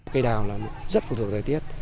cây đào là rất phù thuộc thời tiết